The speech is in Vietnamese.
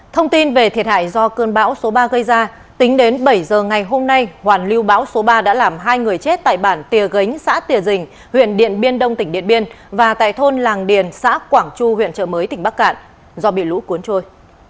thông tin về thiệt hại do cơn bão số ba gây ra tính đến bảy giờ ngày hôm nay hoàn lưu bão số ba đã làm hai người chết tại bản tìa gánh xã tỉa dình huyện điện biên đông tỉnh điện biên và tại thôn làng điền xã quảng chu huyện trợ mới tỉnh bắc cạn do bị lũ cuốn trôi